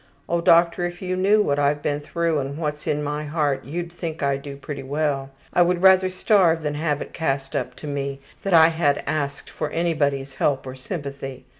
Oh, doctor, if you knew what I've been through and what's in my heart you'd think I do pretty well. I would rather starve than have it cast up to me that I had asked for any body's help or sympathy.